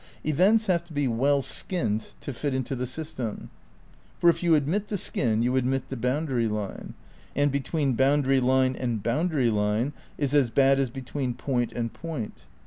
Events have to be well skjnned to fit into the system. For if you admit the skin you admit the boundary line, and between boundary line and boundary line is as bad as between point and point.